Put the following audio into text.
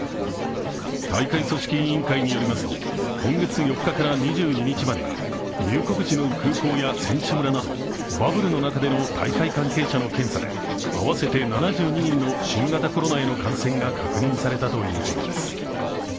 大会組織委員会によりますと今月４日から２２日までに入国時の空港や選手村など、バブルの中での大会関係者の検査で合わせて７２人の新型コロナへの感染が確認されたということです。